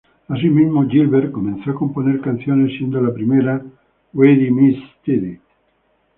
Asimismo, Gilbert comenzó a componer canciones, siendo la primera "Ready Miss Steady".